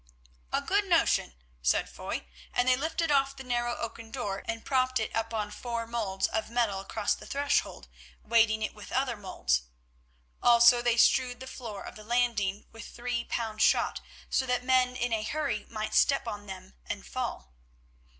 "A good notion," said Foy, and they lifted off the narrow oaken door and propped it up on four moulds of metal across the threshold, weighting it with other moulds. Also they strewed the floor of the landing with three pound shot, so that men in a hurry might step on them and fall.